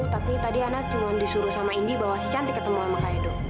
tapi tadi ana cuman disuruh sama indy bahwa si cantik ketemu sama kak edo